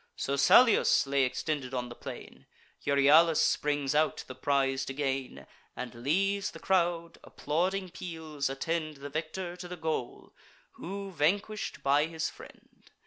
So Salius lay extended on the plain; Euryalus springs out, the prize to gain, And leaves the crowd: applauding peals attend The victor to the goal, who vanquish'd by his friend.